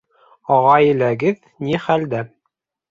Ғаиләгеҙ ни хәлдә?